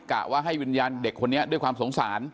กะว่าให้วิญญาณเด็กคนนี้ด้วยความสงสาร